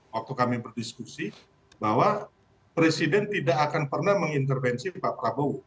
waktu kami berdiskusi bahwa presiden tidak akan pernah mengintervensi pak prabowo